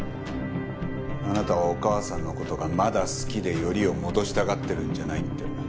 あなたはお母さんの事がまだ好きでよりを戻したがってるんじゃないって。